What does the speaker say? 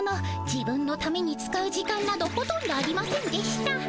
自分のために使う時間などほとんどありませんでした。